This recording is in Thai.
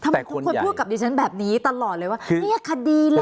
ทำไมทุกคนพูดกับดิฉันแบบนี้ตลอดเลยว่าเนี่ยคดีล่ะ